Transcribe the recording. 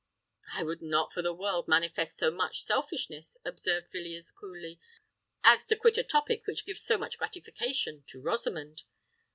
"I would not for the world manifest so much selfishness," observed Villiers, coolly, "as to quit a topic which gives so much gratification to Rosamond.